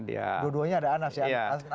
dua duanya ada anas ya